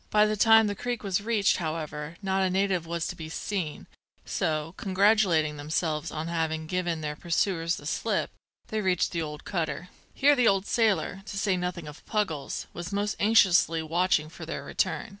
By the time the creek was reached, however, not a native was to be seen; so, congratulating themselves on having given their pursuers the slip, they reached the cutter. Here the old sailor, to say nothing of Puggles, was most anxiously watching for their return.